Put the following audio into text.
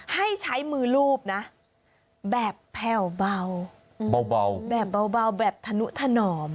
ให้ใช้มือรูปแบบแผ่วเบาเบาแบบทะหนุทะหนอม